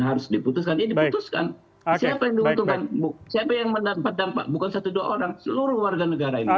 harus diputuskan dia diputuskan siapa yang diuntungkan siapa yang mendapat dampak bukan satu dua orang seluruh warga negara indonesia